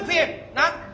なっ？